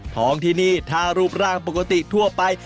ท้องที่นี่ถ้ารูปร่างปกติทั่วไป